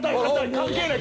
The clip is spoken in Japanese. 関係ない！